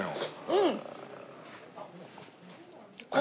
うん！